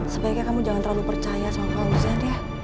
sebaiknya kamu jangan terlalu percaya sama om fauzan ya